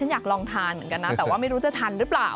อยากลองทานเหมือนกันนะแต่ว่าไม่รู้จะทันหรือเปล่า